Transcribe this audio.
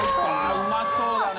△うまそうだね。